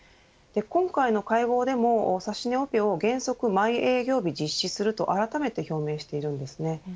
今回の会合でも指し値オペを原則、毎営業日実施するとあらためて表明しているんですね。